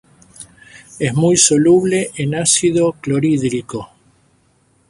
Es muy soluble en ácido clorhídrico.